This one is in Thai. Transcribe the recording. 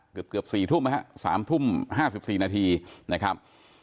เกือบเกือบสี่ทุ่มนะฮะสามทุ่มห้าสิบสี่นาทีนะครับ